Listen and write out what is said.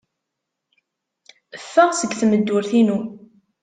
Ffeɣ seg tmeddurt-inu.